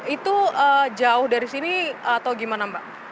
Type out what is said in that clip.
itu jauh dari sini atau gimana mbak